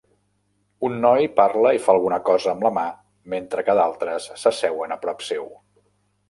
Un noi parla i fa alguna cosa amb la mà mentre que d'altres s'asseuen a prop seu.